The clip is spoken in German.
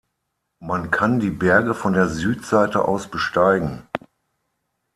Man kann die Berge von der Südseite aus besteigen.